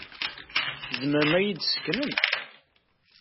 Tzemrem ad iyi-t-id-tesseknem?